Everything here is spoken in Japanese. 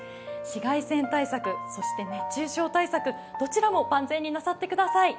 紫外線対策、そして熱中症対策、どちらも万全になさってください。